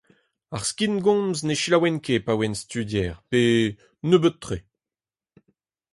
Ar skingomz ne selaouen ket pa oan studier, pe nebeut-tre.